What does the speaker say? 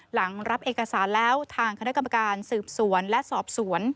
หลังรับเอกสารแล้วทางคณะกรรมการสืบสวนและสอบสวน